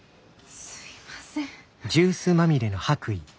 すいません。